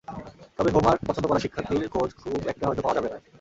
তবে হোমওয়ার্ক পছন্দ করা শিক্ষার্থীর খোঁজ খুব একটা হয়তো পাওয়া যাবে না।